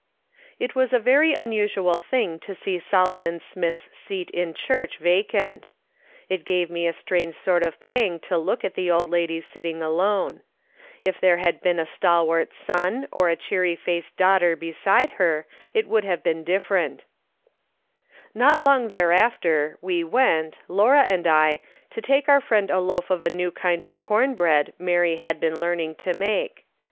It was a very unusual thing to see Solomon Smith's seat in church vacant. It gave me a strange sort of pang to look at the old lady sitting alone. If there had been a stalwart son or a cheery faced daughter beside her^ it would have been different. "Tti£KE WASN'T ANYTHING ELSE TO DO:'' 297 Kot long thereafter \ve went, Laura and I, to take our friend a loaf of a new kind of corn bread ]\Iary had been learning to make.